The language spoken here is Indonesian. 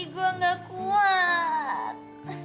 gue gak kuat